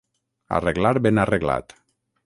Arreglar ben arreglat.